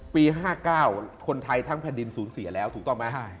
ปี๕๙คนไทยทั้งแผ่นดินสูญเสียแล้วถูกต้องไหม